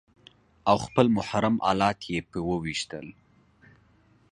او خپل محرم الات يې په وويشتل.